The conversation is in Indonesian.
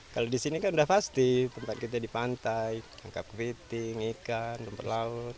kalau di sini kan sudah pasti tempat kita di pantai tangkap kepiting ikan tempat laut